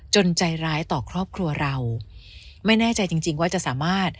ใจร้ายต่อครอบครัวเราไม่แน่ใจจริงจริงว่าจะสามารถ